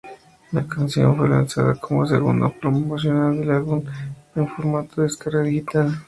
La canción fue lanzada como segundo promocional del álbum en formato de descarga digital.